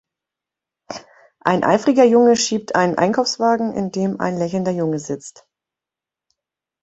Ein eifriger Junge schiebt einen Einkaufswagen, in dem ein lächelnder Junge sitzt.